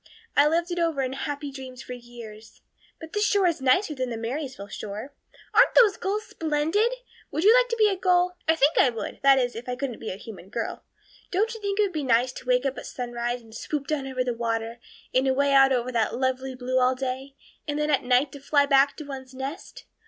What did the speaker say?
I lived it over in happy dreams for years. But this shore is nicer than the Marysville shore. Aren't those gulls splendid? Would you like to be a gull? I think I would that is, if I couldn't be a human girl. Don't you think it would be nice to wake up at sunrise and swoop down over the water and away out over that lovely blue all day; and then at night to fly back to one's nest?